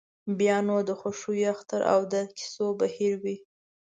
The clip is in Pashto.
بیا نو د خوښیو اختر او د کیسو بهیر وي.